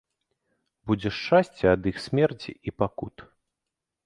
Будзе шчасце ад іх смерці і пакут.